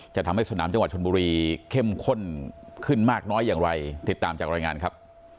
จะทำให้สนามจังหวัดชนบุรีเข้มข้นขึ้นมากน้อยอย่างไรติดตามจากรายงานครับ